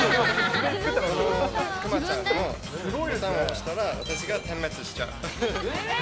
このくまちゃんのボタンを押したら、私が点滅しちゃう。